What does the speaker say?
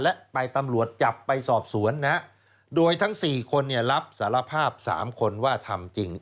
และไปตำรวจจับไปสอบสวนนะโดยทั้ง๔คนรับสารภาพ๓คนว่าทำจริง